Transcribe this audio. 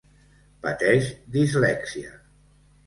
Pateix dislèxia.